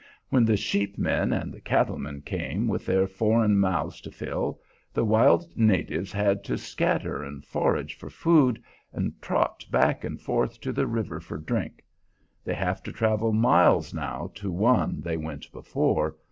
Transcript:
When the sheep men and the cattle men came with their foreign mouths to fill, the wild natives had to scatter and forage for food, and trot back and forth to the river for drink. They have to travel miles now to one they went before.